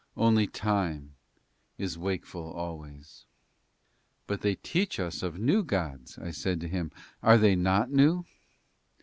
Only Time is wakeful always." "But they that teach us of new gods" I said to him, "are they not new?"